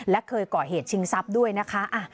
และเคยก่อเหตุชิงทรัพย์ด้วยนะคะ